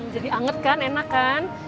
jadi anget kan enak kan